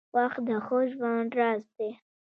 • وخت د ښه ژوند راز دی.